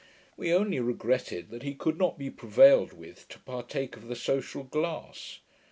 We only regretted that he could not be prevailed with to partake of the social glass.